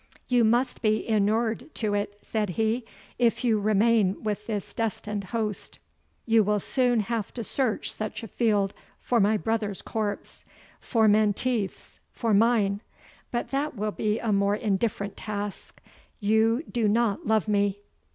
"You must be inured to it," said he, "if you remain with this destined host you will soon have to search such a field for my brother's corpse for Menteith's for mine but that will be a more indifferent task You do not love me!"